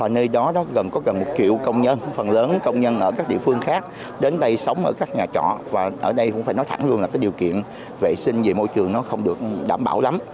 nơi đó gần có gần một triệu công nhân phần lớn công nhân ở các địa phương khác đến đây sống ở các nhà trọ và ở đây cũng phải nói thẳng luôn là điều kiện vệ sinh về môi trường nó không được đảm bảo lắm